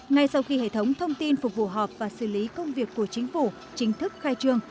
ngay sau khi hệ thống thông tin phục vụ họp và xử lý công việc của chính phủ chính thức khai trương